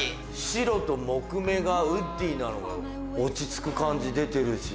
白と木目がウッディーなのが落ち着く感じ出てるし。